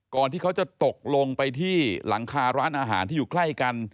ที่เขาจะตกลงไปที่หลังคาร้านอาหารที่อยู่ใกล้กัน